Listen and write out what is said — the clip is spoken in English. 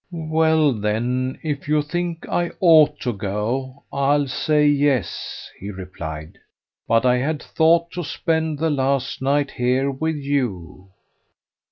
"Well, then, if you think I ought to go, I'll say yes," he replied; "but I had thought to spend the last night here with you."